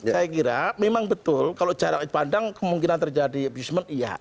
saya kira memang betul kalau jarak pandang kemungkinan terjadi abusement iya